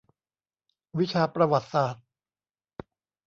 วิชาประวัติศาสตร์